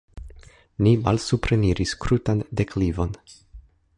Ni malsupreniris krutan deklivon.